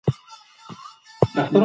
پولیفینول د نباتي مرکباتو له ډلې دي.